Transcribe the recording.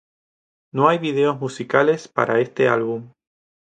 No hay vídeos musicales para este álbum.